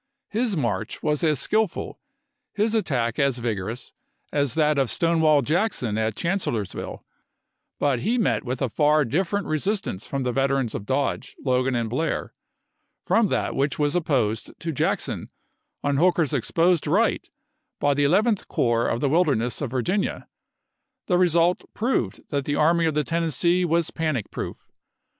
His march was as skillful, his attack as vigorous, as that of Stonewall Jackson at Chancellorsville ; but he met with a far different resistance from the veterans of Dodge, Logan, and Blair, from that which was opposed to Jackson on Hooker's exposed right by the Eleventh Corps in the Wilderness of Virginia. The result proved that the Army of the Tennessee was panic proof.